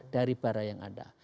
dari barah yang ada